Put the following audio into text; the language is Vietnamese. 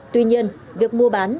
tuy nhiên việc mua bán